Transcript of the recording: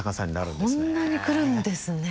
こんなに来るんですね。